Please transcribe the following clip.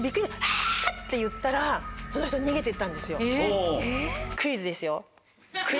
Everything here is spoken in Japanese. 「ア！」って言ったらその人逃げて行ったんですよ。